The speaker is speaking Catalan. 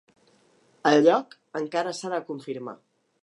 El lloc encara s’ha de confirmar.